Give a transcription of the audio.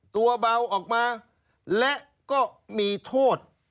ตัวเบาออกมาและก็มีโทษ